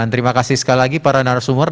terima kasih sekali lagi para narasumber